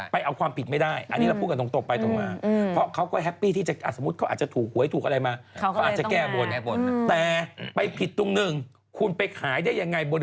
ไปเอาความผิดไม่ได้